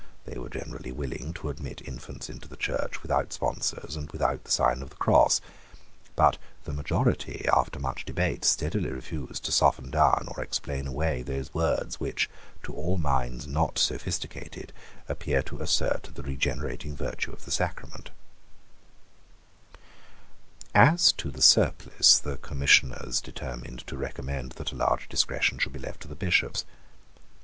They were generally willing to admit infants into the Church without sponsors and without the sign of the cross. But the majority, after much debate, steadily refused to soften down or explain away those words which, to all minds not sophisticated, appear to assert the regenerating virtue of the sacrament, As to the surplice, the Commissioners determined to recommend that a large discretion should be left to the Bishops.